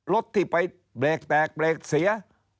รถที่ไปเบรกแตกเบรกเสีย